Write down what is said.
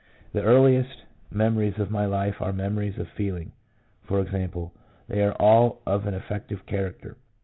The earliest memories of my life are memories of feeling — i.e., they are all of an affective character.